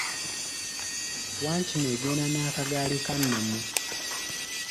Wankima egenda n'akagaali ka Namu.